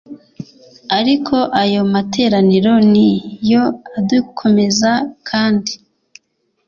ariko ayo materaniro ni yo adukomeza kandi